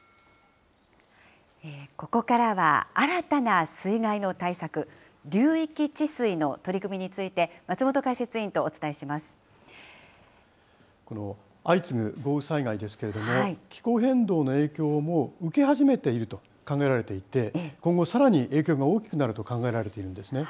ここからは新たな水害の対策、流域治水の取り組みについて、この相次ぐ豪雨災害ですけれども、気候変動の影響をもう受け始めていると考えられていて、今後さらに影響が大きくなると考えられているんですね。